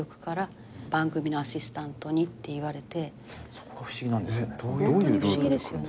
そこが不思議なんですよね。